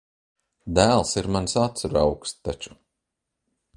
Dēls ir mans acuraugs taču.